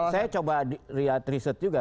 saya coba lihat riset juga